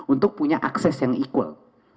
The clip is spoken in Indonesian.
untuk punya akses yang equal